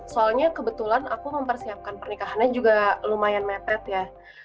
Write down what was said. soalnya kebetulan aku mempersiapkan pernikahannya juga lumayan mepet ya